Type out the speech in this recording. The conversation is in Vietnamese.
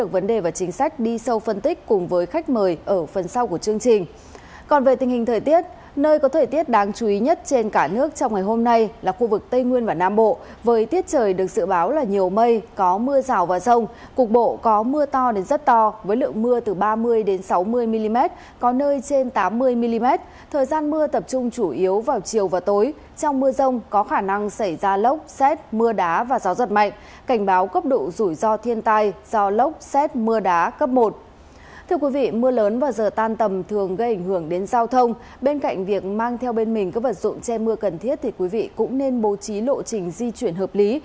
bên cạnh việc mang theo bên mình các vật dụng che mưa cần thiết thì quý vị cũng nên bố trí lộ trình di chuyển hợp lý